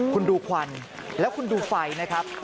คุณดูควันแล้วคุณดูไฟนะครับ